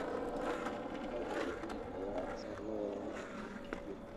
Yan agra eɗe nehe ta asal ana wal nehe amamat cek diyaw ?